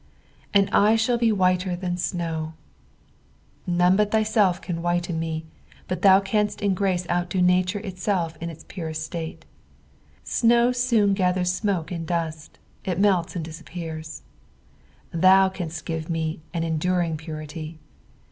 "And I ihalt le whiter than snow." None but thyself can wliiten me, but thou canst in grace outdo nature .itself in its purest state. Snow soon gathers smoke and du.'it, it melts and disappears ; thou canst give me an en during purity.